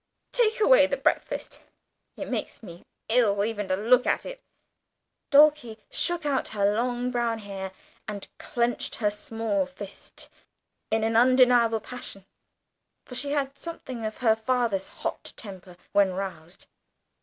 Take away the breakfast. It makes me ill even to look at it." Dulcie shook out her long brown hair, and clenched her small fist in an undeniable passion, for she had something of her father's hot temper when roused.